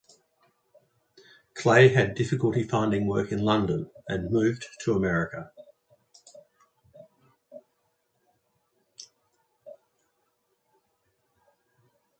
Clay had difficulty finding work in London and moved to America.